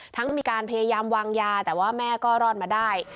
มีการพยายามวางยาแต่ว่าแม่ก็รอดมาได้